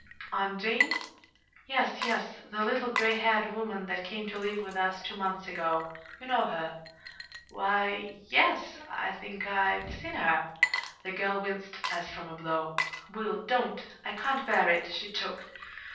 "Aunt Jane?" "Yes, yes the little gray haired woman that came to live with us two months ago. You know her." "Why, y yes; I think I've seen her." The girl winced, as from a blow. "Will, don't! I can't bear it," she choked.